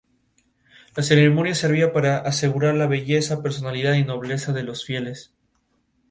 Al final, sólo el veinticinco por ciento de los escoceses votaron contra la "devolución".